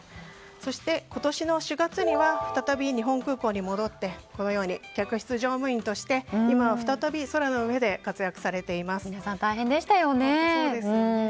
そして、今年の４月には再び日本航空に戻って客室乗務員として今は再び空の上で皆さん、大変でしたよね。